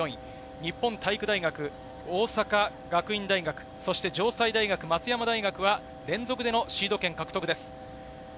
日本体育大学、大阪学院大学、城西大学、松山大学は連続でのシード権獲得です。